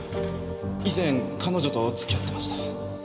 以前彼女と付き合ってました。